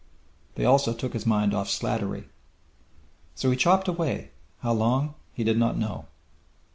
They also took his mind off Slattery. So he chopped away, how long he did not know.